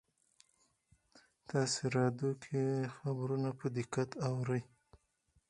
تاسې راډیو کې خبرونه په دقت اورئ